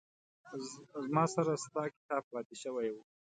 زما سره ستا کتاب پاتې شوي وه